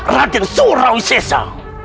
raden surawi sesa